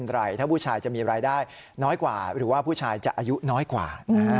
รายได้น้อยกว่าหรือว่าผู้ชายจะอายุน้อยกว่า